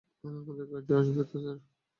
আমাদের কাজে আসবে তো, স্যার?